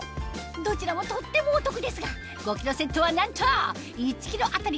どちらもとってもお得ですが５ｋｇセットはなんと１ｋｇあたり